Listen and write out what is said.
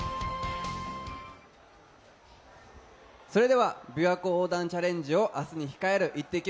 それでは、びわ湖横断チャレンジをあすに控えるイッテＱ！